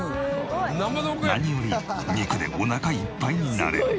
何より肉でおなかいっぱいになれる。